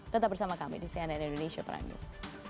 tetap bersama kami di cnn indonesia prime news